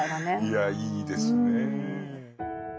いやいいですね。